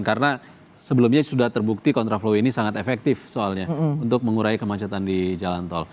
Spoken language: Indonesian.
karena sebelumnya sudah terbukti kontraflow ini sangat efektif soalnya untuk mengurai kemacetan di jalan tol